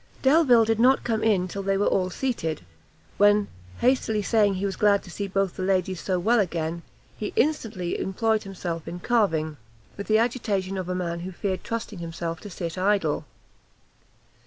Delvile did not come in till they were all seated, when, hastily saying he was glad to see both the ladies so well again, he instantly employed himself in carving, with the agitation of a man who feared trusting himself to sit idle.